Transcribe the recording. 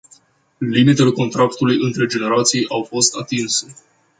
Limitele contractului între generații au fost atinse.